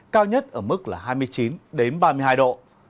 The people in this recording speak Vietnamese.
cao nhất ở mức là hai mươi chín ba mươi hai độ